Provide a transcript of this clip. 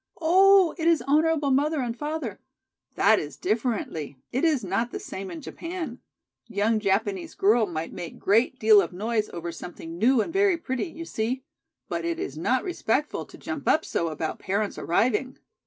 "Oh, it is honorable mother and father! That is differently. It is not the same in Japan. Young Japanese girl might make great deal of noise over something new and very pretty, you see? But it is not respectful to jump up so about parents arriving."